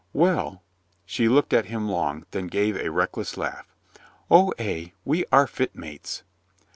"Well." She looked at him long, then gave a reckless laugh. "O, ay, we are fit mates."